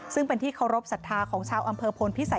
ซึ่งเป็นที่เคารพสัทธาของชาวอำเภอพลพิสัย